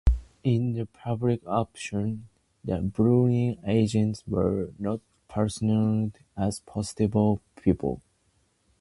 In the public opinion, the Bureau agents were not perceived as positive people.